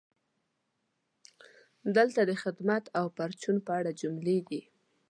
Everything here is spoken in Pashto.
دلته د "خدمت او پرچون" په اړه جملې دي: